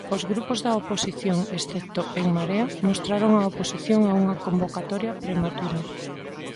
Os grupos da oposición, excepto En Marea, mostraron a oposición a unha convocatoria prematura.